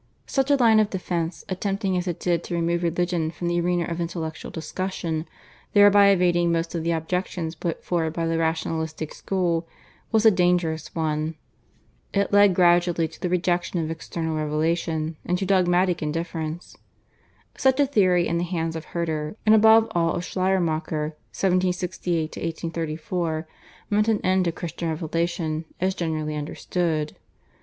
Such a line of defence, attempting as it did to remove religion from the arena of intellectual discussion, thereby evading most of the objections put forward by the rationalistic school, was a dangerous one. It led gradually to the rejection of external revelation, and to dogmatic indifference. Such a theory in the hands of Herder and above all of Schleiermacher (1768 1834) meant an end to Christian revelation as generally understood.